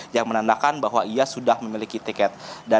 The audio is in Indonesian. yang menandakan bahwa ia sudah memiliki tiket